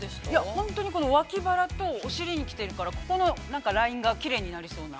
◆本当に脇腹とお尻に来てるからここのラインがきれいになりそうな。